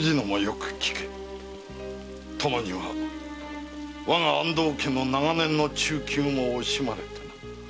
殿にはわが安藤家の長年の忠勤を惜しまれてな。